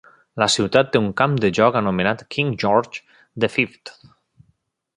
La ciutat té un camp de joc anomenat King George the Fifth.